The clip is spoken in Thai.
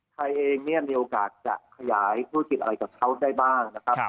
ไทยเองเนี่ยมีโอกาสจะขยายธุรกิจอะไรกับเขาได้บ้างนะครับ